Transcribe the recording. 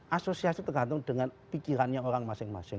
asosiasi tergantung dengan pikirannya orang masing masing